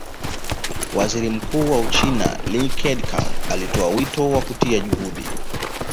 Waziri Mkuu wa Uchina Li Keqiang alitoa wito wa kutia juhudi